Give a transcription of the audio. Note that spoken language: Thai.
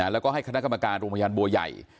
แล้วก็ให้คณะกรรมการโรงพยาบาลโบยัย